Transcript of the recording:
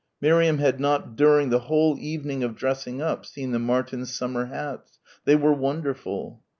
Miriam had not during the whole evening of dressing up seen the Martins' summer hats.... They were wonderful.